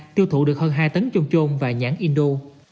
tiêu thụ được hơn hai tấn chôm trôn và nhãn indo